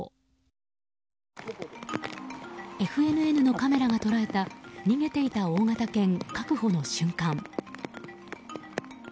ＦＮＮのカメラが捉えた逃げていた大型犬、確保の瞬間。